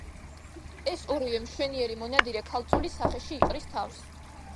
ეს ორივე, მშვენიერი მონადირე ქალწულის სახეში იყრის თავს.